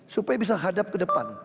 supaya bisa hadap ke depan